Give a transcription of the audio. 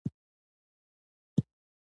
پښتو د ټولو په غږ قوي کېږي.